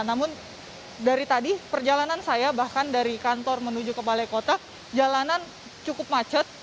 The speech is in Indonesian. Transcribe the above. namun dari tadi perjalanan saya bahkan dari kantor menuju ke balai kota jalanan cukup macet